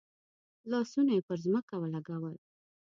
لاسونه یې پر ځمکه ولګول.